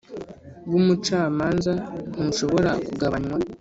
W umucamanza ntushobora kugabanywa